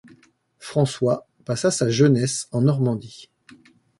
François passa sa jeunesse en Normandie.